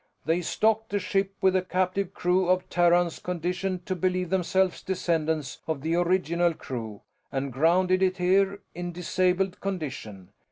They stocked the ship with a captive crew of Terrans conditioned to believe themselves descendants of the original crew, and grounded it here in disabled condition.